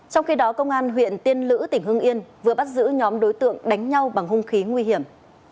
trong khi đó công an huyện tiên lữ tỉnh hương yên vừa bắt giữ nhóm đối tượng đánh nhau bằng hung khí nguy hiểm